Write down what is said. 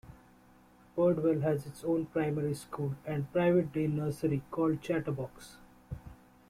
Birdwell has its own primary school and private day-nursery called "Chatterbox".